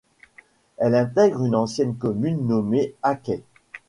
Elle intègre une ancienne commune nommée Acquet.